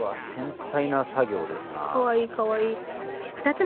かわいいかわいい。